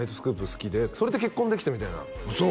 好きでそれで結婚できたみたいな嘘？